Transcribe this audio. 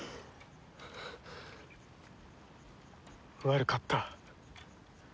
悪かった。